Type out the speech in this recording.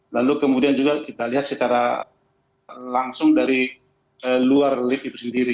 lalu kemudian juga kita lihat secara langsung dari luar lift itu sendiri